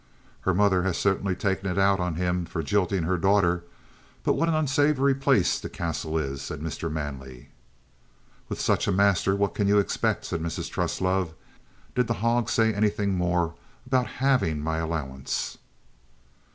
"Her mother has certainly taken it out of him for jilting her daughter. But what an unsavoury place the castle is!" said Mr. Manley. "With such a master what can you expect?" said Mrs. Truslove. "Did the hog say anything more about halving my allowance?"